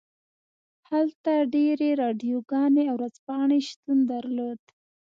هلته ډیرې راډیوګانې او ورځپاڼې شتون درلود